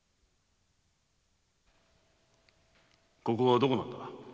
ここはどこなのだ？